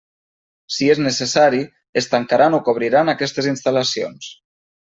Si és necessari, es tancaran o cobriran aquestes instal·lacions.